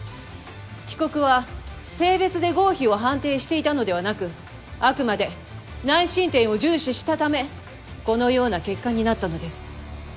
被告は性別で合否を判定していたのではなくあくまで内申点を重視したためこのような結果になったのです。